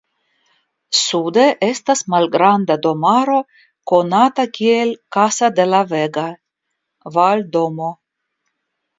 Sude estas malgranda domaro konata kiel "Casa de la Vega" (Valdomo).